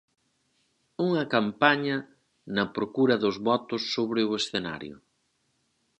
Unha campaña na procura dos votos sobre o escenario.